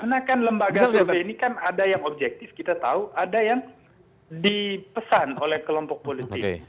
karena kan lembaga survei ini kan ada yang objektif kita tahu ada yang dipesan oleh kelompok politik